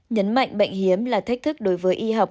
nhấn mạnh bệnh hiếm là thách thức đối với y học